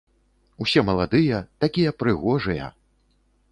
Усе маладыя, такія прыгожыя.